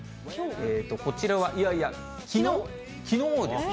こちらは、いやいや、きのうですね。